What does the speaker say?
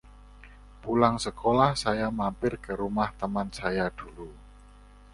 Pulang sekolah saya mampir ke rumah teman saya dulu.